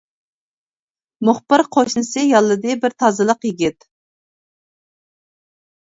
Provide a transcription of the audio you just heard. مۇخبىر قوشنىسى ياللىدى بىر تازىلىق يىگىت.